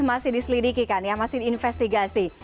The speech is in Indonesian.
masih diselidikikan ya masih diinvestigasi